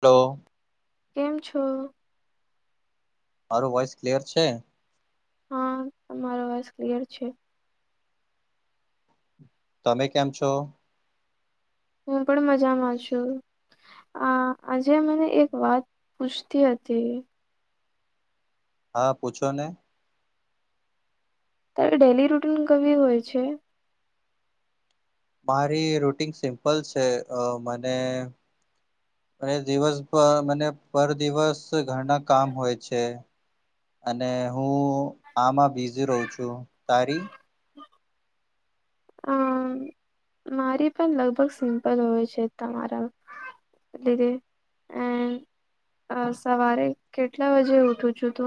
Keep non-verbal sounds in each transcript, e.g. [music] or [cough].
Hello. કેમ છો. મારું વોઇસ ક્લિયર છે. હા તમારો વાઇસ ક્લિયર છે. તમે કેમ છો. હું પણ મજામાં છુ. આ આજે મને એક વાત પૂછતી હતી. હા પૂછોને ત્યારે ડેલી રૂટીન કવી હોય છે. મારી રૂટન સિમ્પલ છે, મને અને દિવસ મને પર દિવસ ઘરના કામ હોય છે. અને હું આમાં બીઝી રહુ છુ, તારી હ અમ મારી પણ લગભગ સિમ્પલ હોય છે, તમારા લધે એ અ સવારે કેટલા વાજે ઉઠું છુ, તુ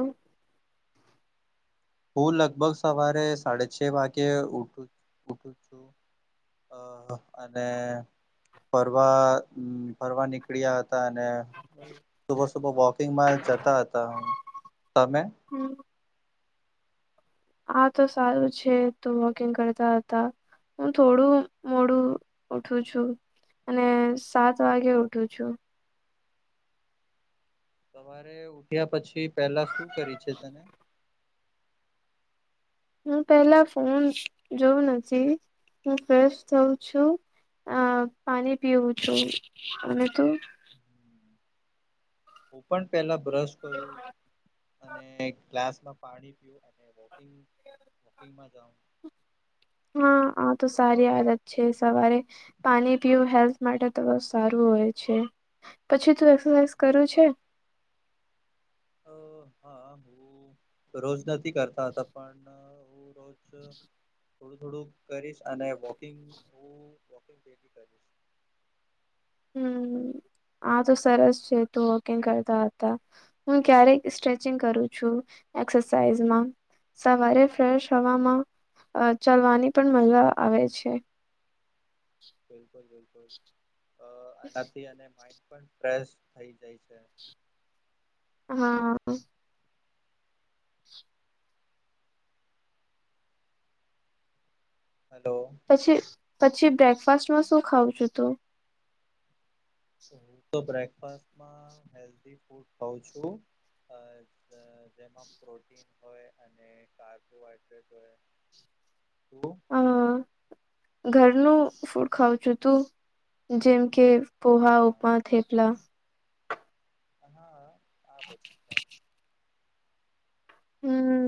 હું લગભગ સવારે સાડ છ વાગે ઉઠુ ઉઠુ છુ. અ અને ફરવા ફરવા નીકળ્યા હતા અને સુબ સુબ વોકિંગમાં જતા હતા હુ, તમે હમ્મ આ તો સારું છે, તો વોકિંગ કરતા હતા. હુ થોડુ મોડુ ઉઠુ છુ. અને સાત વાગે ઉઠુ છુ. સવારે ઉઠ્યા પછી પેલા શું કરી છે, તને હું પેલા ફોન જોઉં નથી હું ફેશ થઉ છુ. અ પાણી પીવું છુ, અને તો ઓપન પહેલા બ્રશ કરુ અને ગ્લાસમાં પાણી પીું અને વકે ગમાં જાઉ હા હા તો સારી આદત છે, સવારે પાણી પીું હેલ્થ માટે તો બસ સારુ હોય છે, પછી તુ એક્સરસાઇઝ કરુ છે. અ હા હુ રોજ નથી કરતા હતા પણ હુ રોજ થોડું થોડું કરીશ અને વોકિંગ હું વોકિંગ ડેલી કરીશ હમ આ તો સરસ છે, તકંગ કરતા હતા. હું ક્યારેક સ્ટ્રેચિંગ કરું છુ, એક્સરસાઇઝમા સવારે ફ્રેશ હવામાં ચલવાની પણ મજા આવે છે. બિલકુલ બિલકુલ આનાથી માઈન્ડ પણ ફેશ થઈ જાય છે. હા હલો. પછી પછી બ્રેકફાસ્ટમા શું ખાવઉ છુ, તુ હું તો બ્રેકફાસ્ટમા હેલ્ધી ફૂડ ખઉ છુ. જેમાં પ્રોટીન હોય અને કાર્બોહાઈડ્રેટ હોય. હલો. હ ઘરનું ફૂડ ખાઉં છું તું. જેમ કે પોહા હા ઉપા થેપલા. હા આ બધી. હમ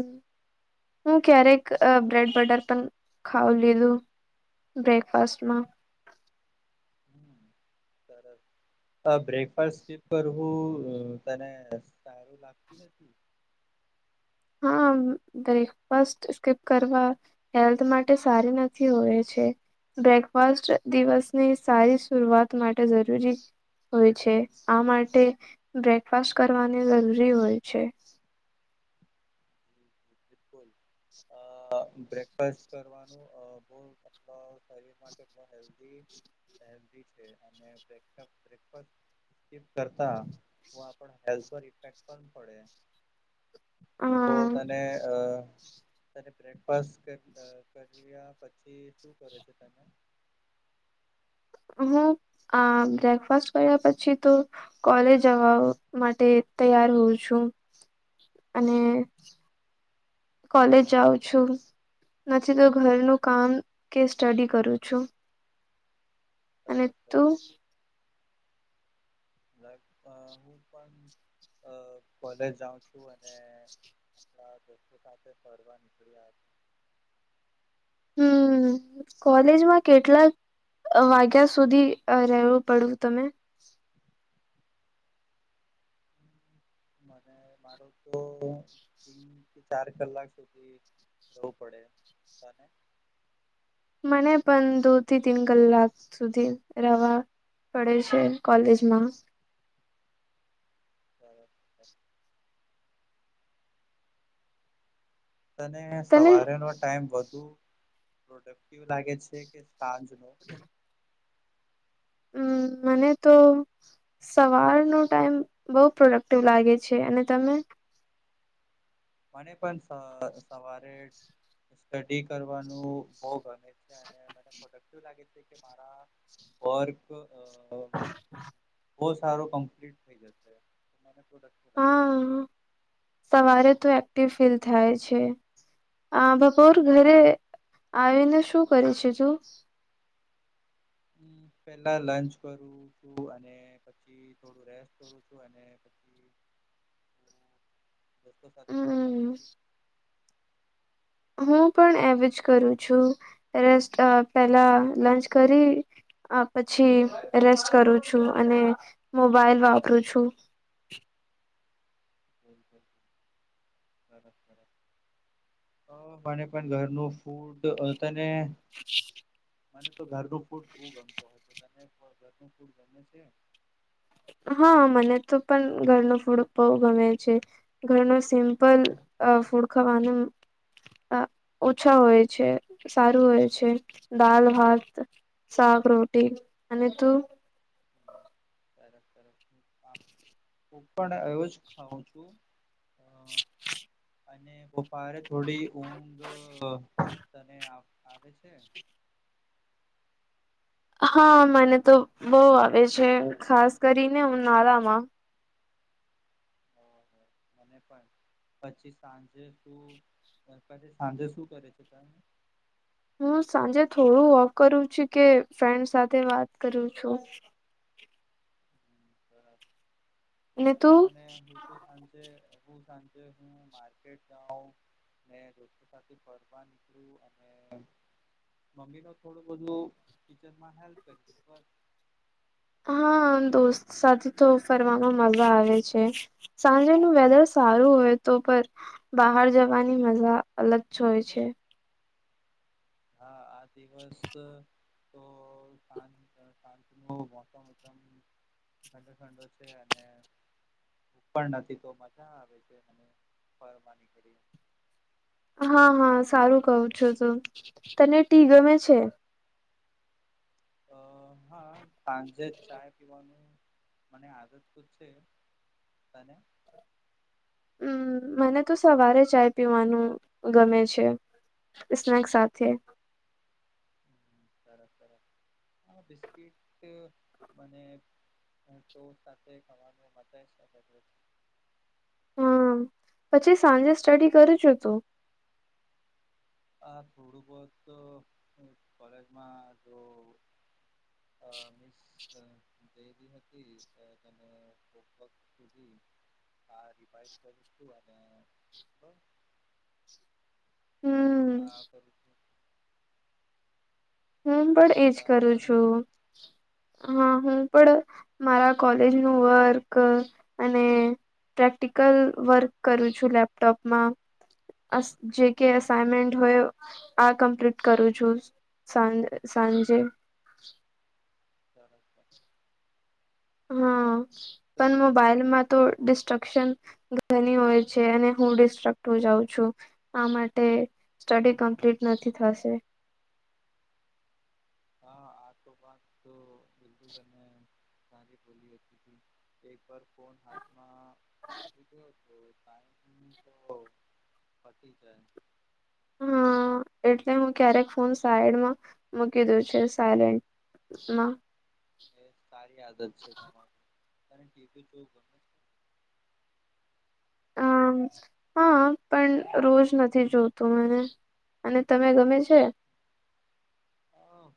હું ક્યારેક બ્રેડ બટર પણ ખાવ લીધું. બ્રેકફાસ્ટમાં. સર બ્રેકફાસ્ટ કરું હુ તને. એ લાગતી નથી. હા બ્રેકફાસ્ટ સ્કીપ કરવા. હેલ્થ માટે સારી નથી હોય છે. બ્રેકફાસ્ટ દિવસની સારી શરૂઆત માટે જરૂરી. હોય છે આ માટે બ્રેકફાસ્ટ કરવાની જરૂરી હોય છે. બિલકુલ બ્રેકફાસ્ટ કરવાનું બહ. કેટ શરીરમાં કેટ હેલ્ધી હેલ્ધી છે. અને બ્રેકફાસ્ટ બ્રેકફાસ્ટ. કરતા તો આપણા હેલ્થ પર ઇફેક્ટ પણ પડે. અ તો તને. જ્યારે બ્રેકફાસ્ટ કે કર્યા પછી શું કરો છે તને. હું આ બ્રેકફાસ્ટ કર્યા પછી તો. કોલેજ જવા માટે તૈયાર હોઉં છું. અને કોલેજ જાઉં છું. નથી તો ઘરનું કામ કે સ્ટડી કરું છું. અને સરસ તું સરસ. [inaudible] હું પણ કોલેજ જાઉં છું અને. આપણા દોસ્તો સાથે ફરવા નીકળ્યા હતા. હમ્મ. કોલેજમાં કેટલા વાગ્યા સુધી રહેવું પડું તમે. મને માર તો તીન થી ચાર કલાક સુધી. જવું પડે તને. મને પણ દો થી તીન કલાક સુધી રવા. પડે છે કોલેજમાં. [unintelligible] તને તને સવારેનો ટાઈમ વધુ પ્રોડક્ટિવ લાગે છે કે સાંજનો. [unintelligible] અમ મને તો. સવારનો ટાઈમ બહુ પ્રોડક્ટિવ લાગે છે અને તમે. મને પણ સ સવારે. સ્ટડી કરવાનું બવ ગમે છે અને મને પ્રોડક્ટિવ લાગે છે કે મારા. વર્ક અ. [unintelligible] બહુ સારો કમ્પ્લીટ થઈ જશે મને પ્રોડક્ટિવ લાગે. હા સવારે તો એક્ટિવ ફીલ થાય છે. આ બપોર ઘરે આવીને શું કરે છે તું. હ પેલા લંચ કરું છું અને પછી થોડું રેસ્ટ કરું છું અને. પછી દોસ્તો સાથે ફરવા હમ નીકળી. હું પણ એવજ કરું છું રેસ્ટ પેલા લંચ કરી. આ પછી રેસ્ટ કરું છું અને મોબાઈલ વાપરું છું. હ મને પણ ઘરનું. ફૂડ તને. મને તો ઘરનું ફૂડ બહુ ગમતો હતો તને ઘરનું ફૂડ ગમે છે. હા મને તો પણ ઘર ન ફૂડ બહુ ગમે છે. ઘર ન સિમ્પલ ફૂડ ખાવાનું અ ઓછા હોય છે સારું હોય છે દાલ ભાત શાક રોટીલી અને તું હું પણ એ જ ખઉં છું [inaudible] અને બપોર થોડી ઊંઘ તને આવે છે. હા મને તો બહુ આવે છે ખાસ કરીને ઉનાળામાં [inaudible] મને પણ પછી સાંજે શું પછી સાંજે શું કરે છે, તો હું સાંજે થોડું ઓફ કરું છું, કે ફ્રેન્ડ સાથે વાત કરું છું. [unintelligible] તું સાંજે, હું સાંજે, હું માર્કેટ જાઉં મેં રોજ ફ્રેન્ડ સાથે ફરવા નીકળ્યું, અને મમ્મી ન થોડું બધું કિચનમાં હેલ્પકર હા દોસ્ત સાથે તો ફરવામાં મજા આવે છે, સાંજેનું વેધર સારું હોયતો પણ બહાર જવાની મજા અલગ જ હોય છે. હાઆ દિવસ, તો સાંજ ના મોસમ [unintelligible] ઠંડો ઠંડો છે, અને પણ નથી તો મજા આવે છે, ફરવાની નીકળીને હા, હા સારું કંઈ છો, તો તને ટી ગમે છે. અહા સાજે ચાય પીવાનું મને આદત તો છે, તને હમ મને તો સવારે ચાય પીવાનું ગમે છે. [unintelligible] સાથે તરત તરત હ બિસ્કીટ મને હુંતો સાથે ખાવાનું મન થાય હમ પછી સાંજે સ્ટડી કરું છું, તું આ થોડુંક કરતો કોલેજમાં તો મિસ ગયેલી હતી [unintelligible] હા રિવાઈવ કરી છું, અને બસ હમ હા બધું હું પણ એજ ત- કરું તમે છું, હા હું પણ મારા કોલેજનું વર્ક અને પ્રેક્ટિકલ વર્ક કરું છું, લેપટોપમાં જેકે અસાઈનમેન્ટ હમ, હોય આ કમ્પ્લીટ કરું છું, સાંજ સાંજે હા હા તો પણ મોબાઈલમાં તો ડિસ્ટ્રક્શન ઘણી હોય છે, અને હું ડિસ્ટ્રક્ટ હો જાઉ છું આ માટે સ્ટડી હમ કમ્પ્લીટ નથી થશે હા આતો વાત તો બિલકુલ અને બોલી હતી એક વાર ફોન હાથમાં તો તો પટી જાય હા, એટલે હું ક્યારેક ફોન સાઈડમાં મૂકી દવ છે, સાયલેન્ટ મા એ સારી આદત છે, તમારી ટીવી જૂથ આમ હા, પણ રોજ નથી જોતું મને અને તમે ગમે છે.?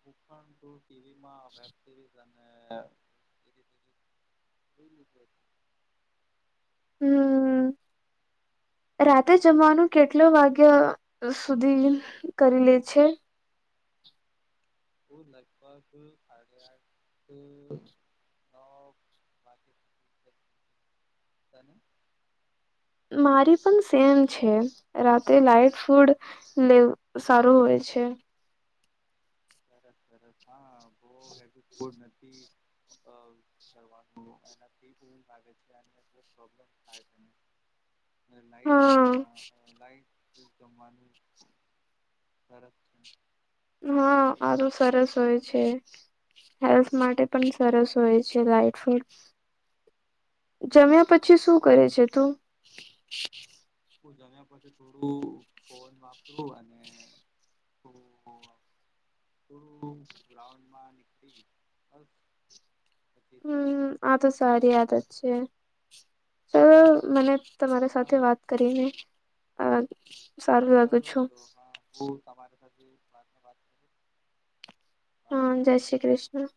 હુ પણ ટીવીમાં વેબસિરીઝ અને બ સર [inaudible] હું [inaudible] રાતે જમવાનું કેટલા વાગ્ય સુધી કરી લે છે.? બહુ લક્ષ્ય તું, [inaudible] [unintelligible] [inaudible] ને [inaudible] મારી પણ સેમ છે, રાતે લાઈટફૂડ લેવ સારું હોય છે. સરસ સરસ હા બહ હેવીપ નથી. [inaudible] એ લાગે છેબમ થાય લાટ ખ હા લાઈટ જમવાનું સરસ છે. આ હા! સારી આલું આદત છે સરસ હોય. હેલ્થ માટે પણ, સરસ હોય છે લાઈટ ફૂડ. જમ્યા પછી, શું કરે છે તું? હું જમ્યા પછી થોડું ફોન વાપરું અને થોડું થોડુ ગ્રાઉન્ડમાં નીકળી બસ થ હા! તો સારી આદત છે. ચાલો મને તમારી સાથે વાત કરીને સારું લાગું ચાલો છું. તો હા હું તમારી સાથે વાત કરીશ બાય હા! જય શ્રી કૃષ્ણ.